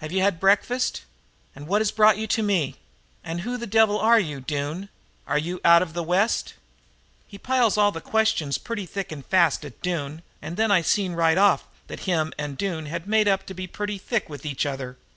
Have you had breakfast? And what brought you to me? And who the devil are you, Doone? Are you out of the West?' "He piles all these questions thick and fast at Doone, and then I seen right off that him and Doone had made up to be pretty thick with each other.